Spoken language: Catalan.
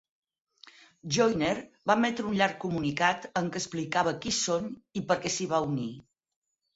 Joyner va emetre un llarg comunitat en què explicava qui són i per què s'hi va unir.